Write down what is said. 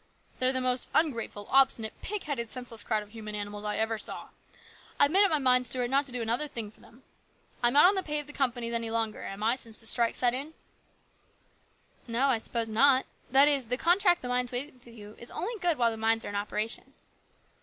They're the most ungrateful, obstinate, pig headed, senseless crowd of human animals I ever saw. I've made up my mind, Stuart, not to do another thing for 'em. I'm not on the pay of the companies any longer, am I, since this strike set in ?"" No, I suppose not. That is, the contract the mines made with you is good only while the mines are in operation."